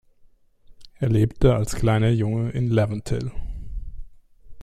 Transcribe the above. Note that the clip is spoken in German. Er lebte als kleiner Junge in Laventille.